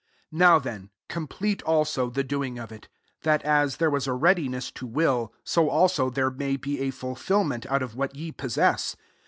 11 Now then, complete, also, the doing of it; that, as there waa a readiness to will, so dAso there may be a fulfilment out of what ye possess.